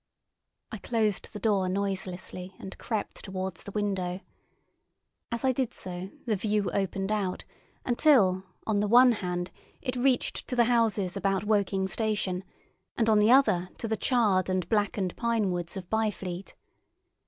I closed the door noiselessly and crept towards the window. As I did so, the view opened out until, on the one hand, it reached to the houses about Woking station, and on the other to the charred and blackened pine woods of Byfleet.